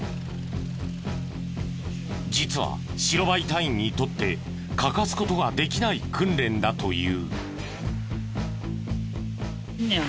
実は白バイ隊員にとって欠かす事ができない訓練だという。